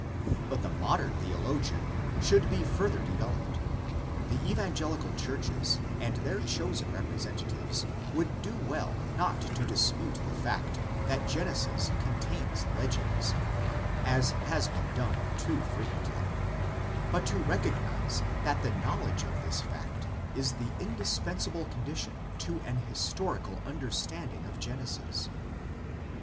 But the 13 THE LEGENDS OF GENESIS. modern theologian should be further developed. The evangelical churches and their chosen repre sentatives would do well not to dispute the fact that Genesis contains legends— as has been done too frequently — but to recognise that the knowledge of this fact is the indispensable condition to an his torical understanding of Genesis.